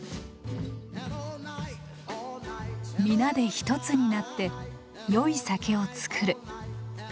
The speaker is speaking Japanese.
「皆で一つになって良い酒を造る」。